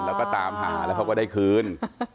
แล้วก็ตามหาแล้วเขาก็ได้คืน